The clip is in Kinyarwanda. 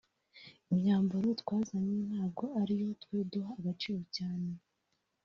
Imyambaro twazanye ntabwo ariyo twe duha agaciro cyane